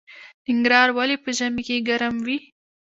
ننګرهار ولې په ژمي کې ګرم وي؟